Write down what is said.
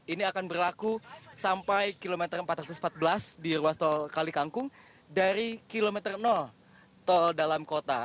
ini akan berlaku sampai kilometer empat ratus empat belas di ruas tol kalikangkung dari kilometer tol dalam kota